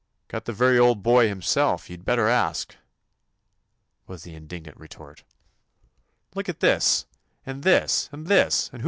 "Got the very Old Boy himself, you 'd better ask!" was the indignant retort. "Look at this, and this, and 154 "Got a runaway cat in here?"